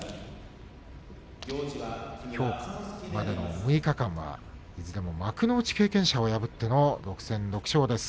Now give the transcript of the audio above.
きょうまでの６日間はいずれも幕内経験者を破っての６戦６勝です。